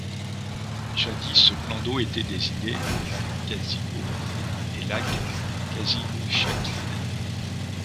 Jadis, ce plan d’eau était désigné lac Casinau et lac Kasinoushakkin.